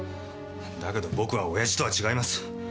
だけど僕は親父とは違います。